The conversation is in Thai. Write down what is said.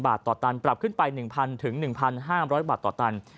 ๑๑๐๐๐บาทต่อตันปรับขึ้นไป๑๐๐๐ถึง๑๕๐๐บาทต่อตัน